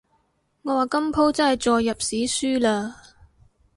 我話今舖真係載入史書喇